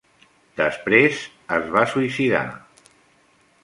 Després, es va suïcidar.